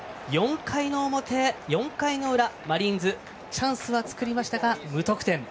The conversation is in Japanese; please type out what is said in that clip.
４回の裏マリーンズチャンスは作りましたが無得点。